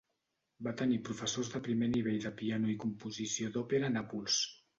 Va tenir professors de primer nivell de piano i composició d'òpera a Nàpols.